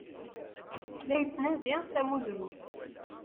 La yettnadi tamudrut.